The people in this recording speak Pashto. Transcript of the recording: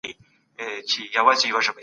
دودونه باید د وخت سره سم سي.